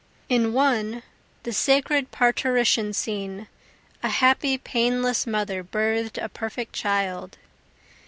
In one, the sacred parturition scene, A happy painless mother birth'd a perfect child.